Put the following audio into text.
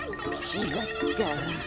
ちがった。